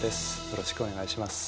よろしくお願いします。